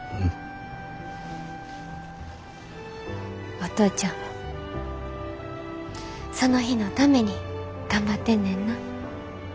お父ちゃんもその日のために頑張ってんねんな。